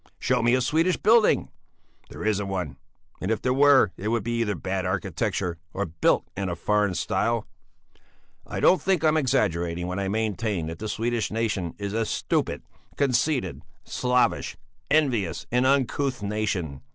Show me a Swedish building! There isn't one, and if there were, it would either be bad architecture or built in a foreign style. "I don't think I'm exaggerating when I maintain that the Swedish nation is a stupid, conceited, slavish, envious, and uncouth nation.